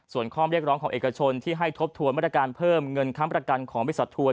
ส่วนข้อเรียกร้องของเอกชนที่ให้ทบทวนมาตรการเพิ่มเงินค้ำประกันของบริษัททัวร์